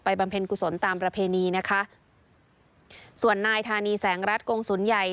เพ็ญกุศลตามประเพณีนะคะส่วนนายธานีแสงรัฐกงศูนย์ใหญ่